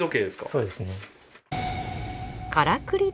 そうですね。